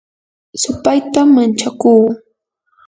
supaytam manchakuu